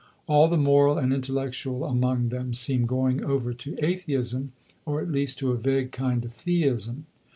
All the moral and intellectual among them seem going over to atheism, or at least to a vague kind of theism.